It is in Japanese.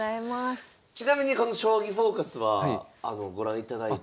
ちなみにこの「将棋フォーカス」はご覧いただいて。